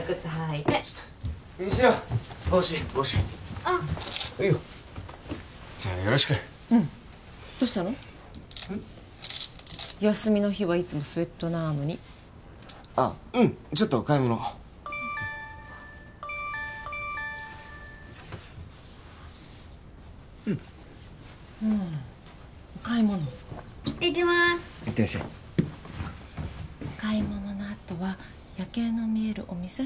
行ってらっしゃいお買い物のあとは夜景の見えるお店？